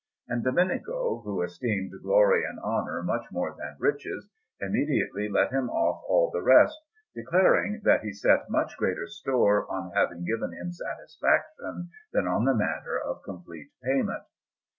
And Domenico, who esteemed glory and honour much more than riches, immediately let him off all the rest, declaring that he set much greater store on having given him satisfaction than on the matter of complete payment.